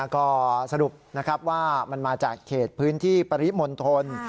ก็สรุปนะครับว่ามันมาจากเขตพื้นที่ปริมณฑล